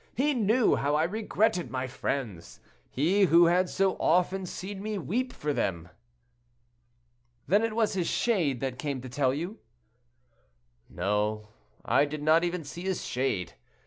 He knew how I regretted my friends—he, who had so often seen me weep for them." "Then it was his shade that came to tell you?" "No; I did not even see his shade.